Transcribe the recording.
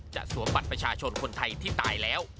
สวมบัตรประชาชนคนไทยที่ตายแล้ว